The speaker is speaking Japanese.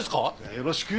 よろしく。